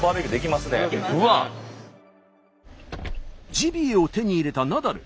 ジビエを手に入れたナダル。